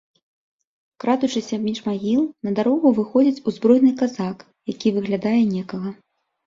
Крадучыся між магіл, на дарогу выходзіць узброены казак, які выглядае некага.